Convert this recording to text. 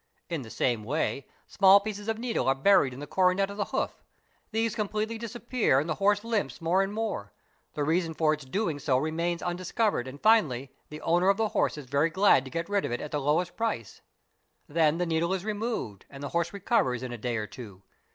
In the same way small pieces of needle are buried in the coronet of the hoof ; these completely disappear and the horse limps more and more, the HORSE AND CATTLE MARKS 817 reason for its doing so remains undiscovered and finally, the owner of the horse is very glad to get rid of it at the lowest price; then the needle is removed and the horse recovers in a day or two.